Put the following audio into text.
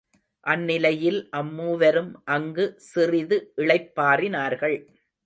அந்நிலையில் அம் மூவரும் அங்கு சிறிது இளைப்பாறினார்கள்.